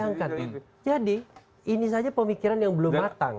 bayangkan jadi ini saja pemikiran yang belum matang